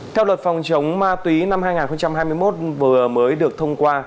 theo luật phòng chống ma túy năm hai nghìn hai mươi một vừa mới được thông qua